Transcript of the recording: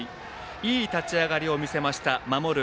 いい立ち上がりを見せました守る